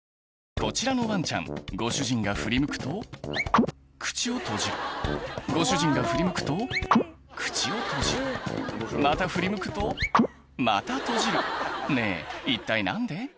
こちらのワンちゃんご主人が振り向くと口を閉じるご主人が振り向くと口を閉じるまた振り向くとまた閉じるねぇ一体何で？